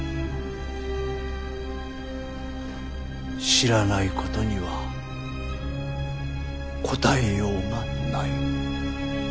知らないことには答えようがない。